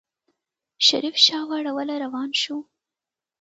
شريف شا واړوله روان شو.